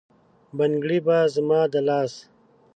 بنګړي به زما د لاس،